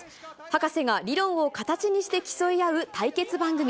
ハカセが理論を形にして競い合う対決番組。